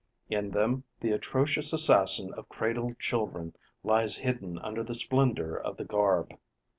In them, the atrocious assassin of cradled children lies hidden under the splendour of the garb.